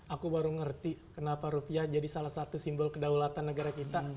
aku baru ngerti kenapa rupiah jadi salah satu simbol kedaulatan negara kita